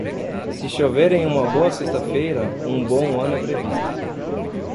Se chover em uma boa sexta-feira, um bom ano é previsto.